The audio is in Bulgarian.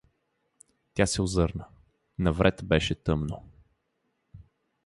Тя се озърна — навред беше тъмно.